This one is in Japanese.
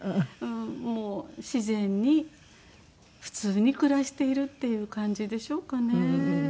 もう自然に普通に暮らしているっていう感じでしょうかね。